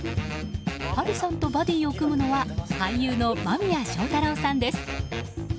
波瑠さんとバディーを組むのは俳優の間宮祥太朗さんです。